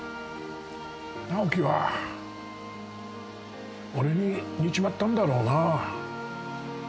直樹は俺に似ちまったんだろうな